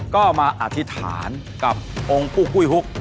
ก็มาอธิษฐานกับองค์กุ้งหุ้ยฮุก